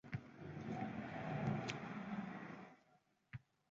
Bugundan boshlab jamoa yangicha ish tartibiga oʻtsak.